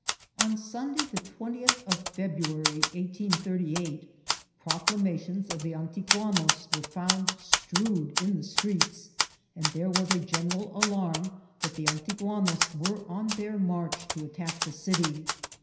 On Sunday, the twentieth of February (1888), proc lamations of the Antiguanos were found strewed in the streets, and there was a general alarm that the Antigua nos were on their march to attack the city.